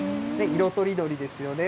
色とりどりですよね。